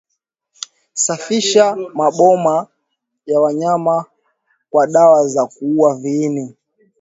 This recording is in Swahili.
Safisha maboma ya wanyama kwa dawa za kuua viini